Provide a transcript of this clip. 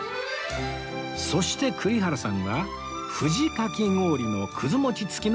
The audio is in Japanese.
そして栗原さんは藤かき氷のくず餅付きのセット